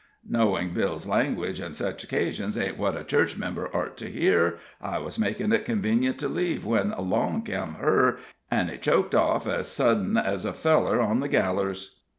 Knowin' Bill's language on sech occasions ain't what a church member ort to hear, I was makin' it convenient to leave, when along come her, an' he choked off ez suddin ez a feller on the gallers."